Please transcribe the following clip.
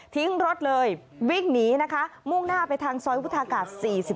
รถเลยวิ่งหนีนะคะมุ่งหน้าไปทางซอยวุฒากาศ๔๔